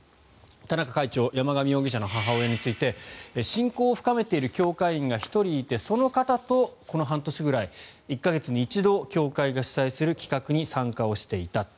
田中会長山上容疑者の母親について親交を深めている教会員が１人いてその方とこの半年ぐらい１か月に１度教会が主催する企画に参加していた。